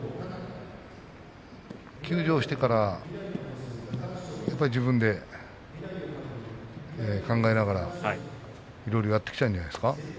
休場してからやっぱり自分で考えながらいろいろやってきたんじゃないですか。